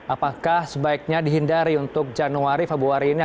apakah sebaiknya dihindari untuk januari februari ini